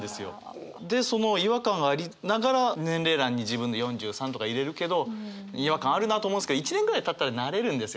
でその違和感ありながら年齢欄に自分の４３とか入れるけど違和感あるなと思うんですけど１年ぐらいたったら慣れるんですよね